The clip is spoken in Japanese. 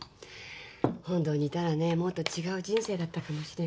本土にいたらねもっと違う人生だったかもしれないし。